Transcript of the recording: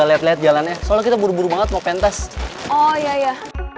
lihat lihat jalannya soalnya kita buru buru banget mau pentas oh iya ya